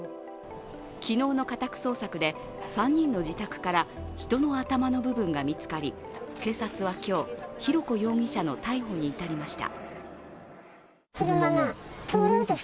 昨日の家宅捜索で、３人の自宅から人の頭の部分が見つかり警察は今日、浩子容疑者の逮捕に至りました。